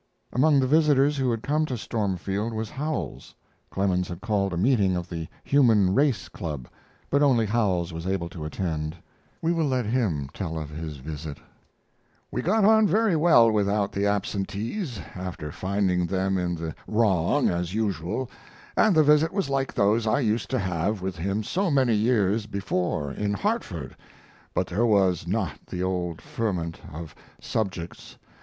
] Among the visitors who had come to Stormfield was Howells. Clemens had called a meeting of the Human Race Club, but only Howells was able to attend. We will let him tell of his visit: We got on very well without the absentees, after finding them in the wrong, as usual, and the visit was like those I used to have with him so many years before in Hartford, but there was not the old ferment of subjects.